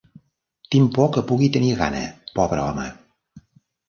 Tinc por que pugui tenir gana, pobre home.